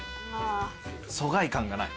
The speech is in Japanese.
疎外感がない。